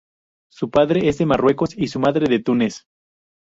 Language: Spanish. Su padre es de Marruecos y su madre de Túnez.